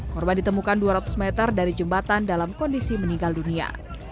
korban ditemukan dua ratus meter dari jembatan dalam kondisi meninggal dunia